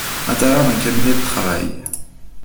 Intérieur d’un cabinet de travail.